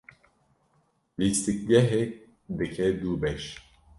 Lîstikgehê dike du beş.